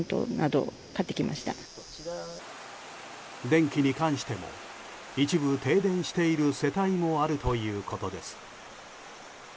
電気に関しても一部停電している世帯もあるということです。